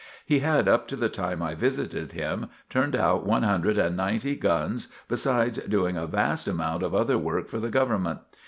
He had up to the time I visited him, turned out one hundred and ninety guns, besides doing a vast amount of other work for the government.